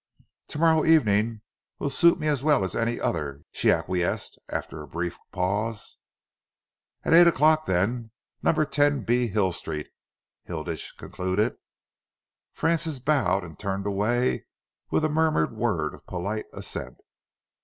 "To morrow evening will suit me as well as any other," she acquiesced, after a brief pause. "At eight o'clock, then number 10 b, Hill Street," Hilditch concluded. Francis bowed and turned away with a murmured word of polite assent.